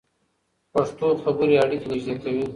پښتو خبرې اړیکې نږدې کوي.